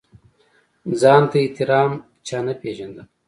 ځان ته احترام چا نه پېژانده.